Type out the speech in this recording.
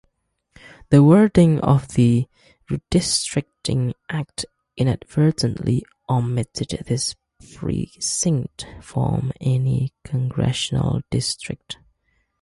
The wording of the redistricting act inadvertently omitted this precinct from any congressional district.